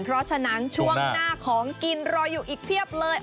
เพราะฉะนั้นช่วงหน้าของกินรออยู่อีกเพียบเลย